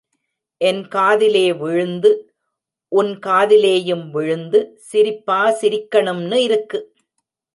என் காதிலே விழுந்து, உன் காதிலேயும் விழுந்து சிரிப்பா சிரிக்கணும்னு இருக்கு!